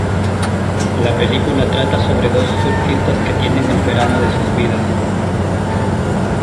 La película trata sobre dos surfistas que tienen el verano de sus vidas.